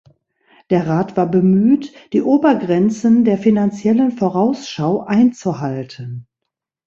Der Rat war bemüht, die Obergrenzen der Finanziellen Vorausschau einzuhalten.